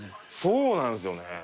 そうなんですよね。